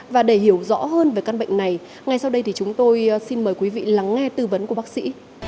và để hiểu rõ hơn về căn bệnh này ngay sau đây thì chúng tôi xin mời quý vị lắng nghe tư vấn của bác sĩ